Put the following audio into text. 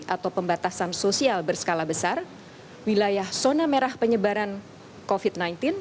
atau pembatasan sosial berskala besar wilayah zona merah penyebaran covid sembilan belas